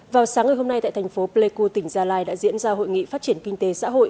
vào sáng ngày hôm nay tại thành phố pleiku tỉnh gia lai đã diễn ra hội nghị phát triển kinh tế xã hội